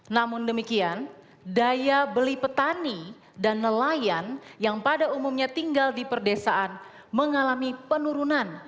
namun demikian daya beli petani dan nelayan yang pada umumnya tinggal di perdesaan mengalami penurunan